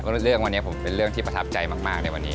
เรื่องวันนี้ผมเป็นเรื่องที่ประทับใจมากในวันนี้